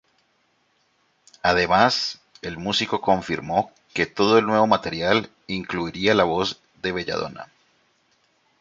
Además, el músico confirmó que todo el nuevo material incluiría la voz de Belladonna.